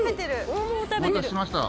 お待たせしました。